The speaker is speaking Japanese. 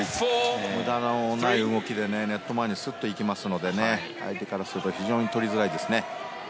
無駄のない動きでネット前にすっと行きますので相手からすると非常にとりづらいですね。